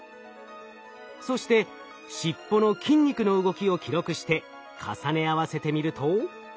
そしてしっぽの筋肉の動きを記録して重ね合わせてみると。